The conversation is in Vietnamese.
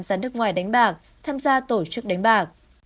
ra nước ngoài đánh bạc tham gia tổ chức đánh bạc